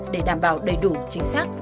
để đảm bảo đầy đủ chính xác